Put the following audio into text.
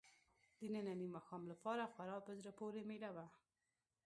د ننني ماښام لپاره خورا په زړه پورې مېله وه.